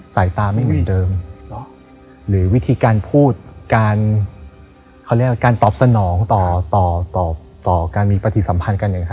สายตาไม่เหมือนเดิมหรือวิธีการพูดการตอบสนองต่อการมีปฏิสัมพันธ์กัน